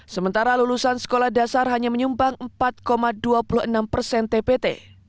sementara lulusan sekolah dasar hanya menyumbang empat dua puluh enam persen tpt